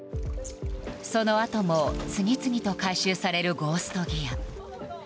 そのあとも続々と回収されるゴースト・ギア。